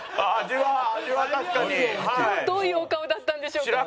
どういうお顔だったんでしょうか？